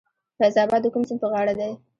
فیض اباد د کوم سیند په غاړه دی؟